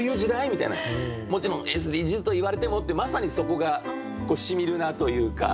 「ＳＤＧｓと言われても」ってまさにそこがしみるなというか。